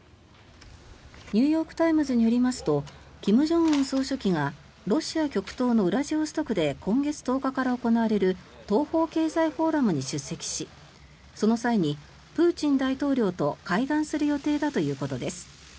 ニューヨーク・タイムズによりますと金正恩総書記がロシア極東のウラジオストクで今月１０日から行われる東方経済フォーラムに出席しその際にプーチン大統領と会談する予定だということです。